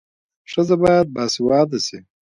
ښځه باید باسواده سي.